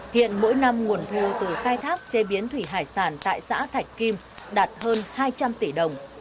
hiện mỗi năm nguồn thu từ khai thác chế biến thủy hải sản tại xã thạch kim đạt hơn hai trăm linh tỷ đồng